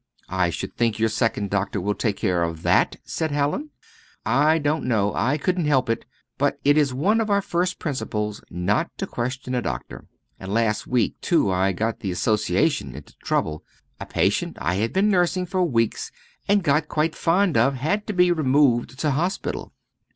"I should think your second doctor will take care of that!" said Hallin. "I don't know. I couldn't help it. But it is one of our first principles not to question a doctor. And last week too I got the Association into trouble. A patient I had been nursing for weeks and got quite fond of had to be removed to hospital.